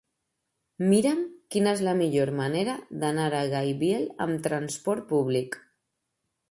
Mira'm quina és la millor manera d'anar a Gaibiel amb transport públic.